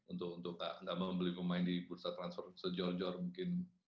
untuk tidak membeli pemain di bursa transfer sejor jor mungkin